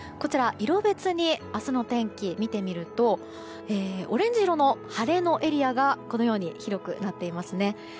色別に明日の天気を見てみるとオレンジ色の晴れのエリアが広くなっていますね。